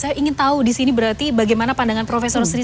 saya ingin tahu disini berarti bagaimana pandangan profesor sendiri melihat